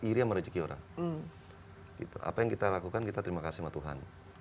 iri yang merezeki orang itu apa yang kita lakukan kita terima kasih tuhan